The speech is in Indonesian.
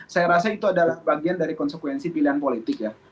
saya rasa itu adalah bagian dari konsekuensi pilihan politik ya